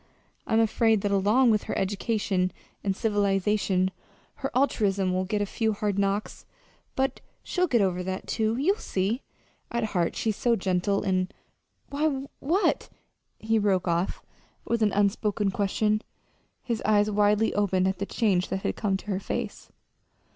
I'm afraid that along with her education and civilization her altruism will get a few hard knocks. But she'll get over that, too. You'll see. At heart she's so gentle and why, what" he broke off with an unspoken question, his eyes widely opened at the change that had come to her face.